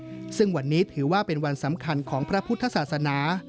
ซึ่งวันนี้ถือว่าเป็นวันสำคัญของพระพุทธศาสนา